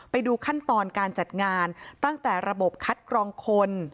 ไปดูขั้นตอนการจัดงานตั้งแต่ระบบคัดกรองคน